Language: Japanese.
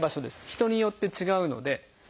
人によって違うので。